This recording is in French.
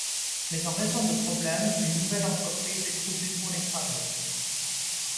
Mais en raison de problèmes, une nouvelle entreprise est trouvée pour les travaux.